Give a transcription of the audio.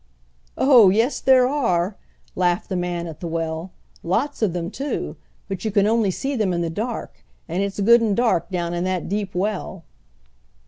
"Oh! yes there are," laughed the man at the well, "lots of them too, but you can only see them in the dark, and it's good and dark down in that deep well."